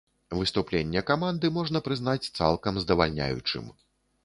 Выступленне каманды можна прызнаць цалкам здавальняючым.